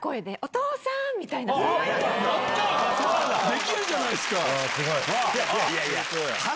できるじゃないですか！